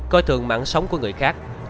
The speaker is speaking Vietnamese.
coi thường mạng sống của người khác